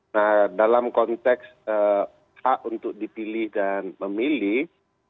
nah dalam konteks hak untuk dipilih dan memilih